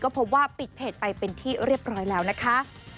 พบว่าปิดเพจไปเป็นที่เรียบร้อยแล้วนะคะ